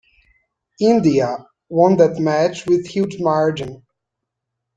India won that match with huge margin.